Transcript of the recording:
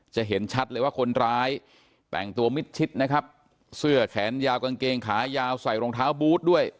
จะเห็นชัดเลยว่าคนร้ายแต่งตัวมิดชิดนะครับเสื้อแขนยาวกางเกงขายาวใส่รองเท้าบูธด้วย